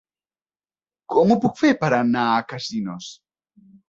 Com ho puc fer per anar a Casinos?